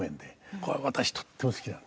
これは私とっても好きなんです。